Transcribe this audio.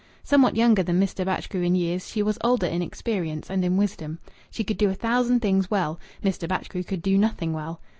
Somewhat younger than Mr. Batchgrew in years, she was older in experience and in wisdom. She could do a thousand things well; Mr. Batchgrew could do nothing well.